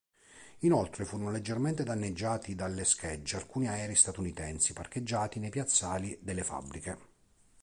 Inoltre furono leggermente danneggiati dalle schegge alcuni aerei statunitensi parcheggiati nei piazzali delle fabbriche.